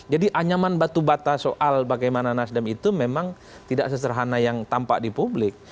jadi anyaman batu bata soal bagaimana nasdem itu memang tidak seserhana yang tampak di publik